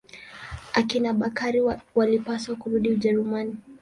Akina Bakari walipaswa kurudi Ujerumani.